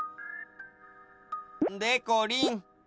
でこりん。